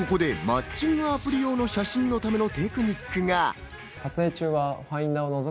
ここでマッチングアプリ用の写真のためのテクニックが。